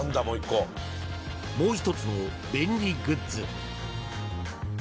［もう一つの便利グッズ］